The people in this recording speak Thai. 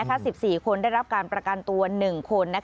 ๑๔คนได้รับการประกันตัว๑คน